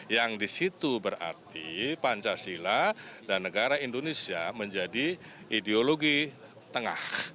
yang disitu berarti pancasila dan negara indonesia menjadi ideologi tengah